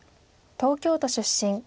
東京都出身。